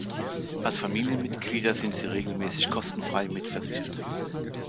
Als Familienmitglieder sind sie regelmäßig kostenfrei mitversichert.